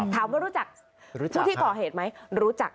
รู้จักผู้ที่ก่อเหตุไหมรู้จัก